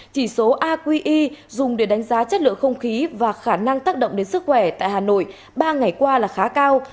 chỉ số aqi dùng để đánh giá chất lượng không khí và khả năng tác động đến sức khỏe tại hà nội ba ngày qua là khá cao